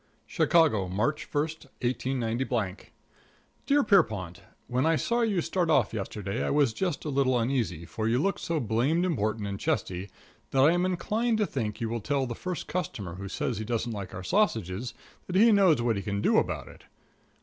|++ X CHICAGO, March 1, 189 Dear Pierrepont: When I saw you start off yesterday I was just a little uneasy; for you looked so blamed important and chesty that I am inclined to think you will tell the first customer who says he doesn't like our sausage that he knows what he can do about it.